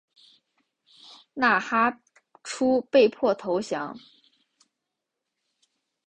纳哈出被迫投降。